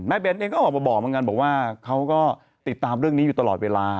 แม่เบนเองก็บอกว่าเขาก็ติดตามเรื่องนี้อยู่ตลอดเวลา